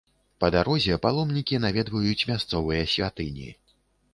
Па дарозе паломнікі наведваюць мясцовыя святыні.